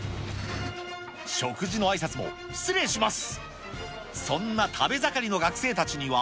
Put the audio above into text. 食事のあいさつも、失礼します！